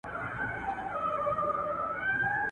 د شرمښ څخه خلاص سو، د قصاب په لاس ورغلی.